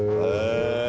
へえ